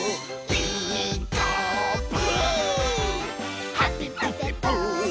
「ピーカーブ！」